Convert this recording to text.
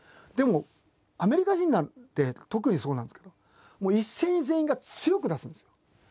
でもアメリカ人なんて特にそうなんですけどもう一斉に全員が強く出すんですよ。